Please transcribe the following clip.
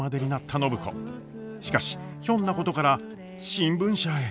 しかしひょんなことから新聞社へ。